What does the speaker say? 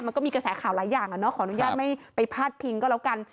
มันก็มีกระแสข่าวหลายอย่างขออนุญาตไม่ไปพาดพิงก็แล้วกัน